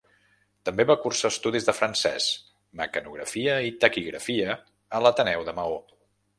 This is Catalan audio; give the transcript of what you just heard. També va cursar estudis de francès, mecanografia i taquigrafia a l'Ateneu de Maó.